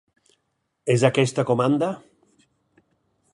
És aquesta comanda?